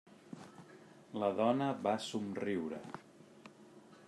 La dona va somriure.